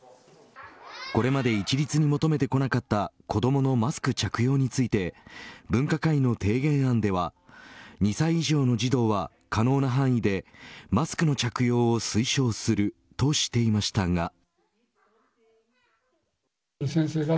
これまで一律に求めてこなかった子どものマスク着用について分科会の提言案では２歳以上の児童は可能な範囲でマスクの着用を推奨するとしていましたが